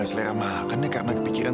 setelah kamu meninggal